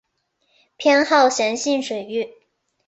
偏好咸性水域。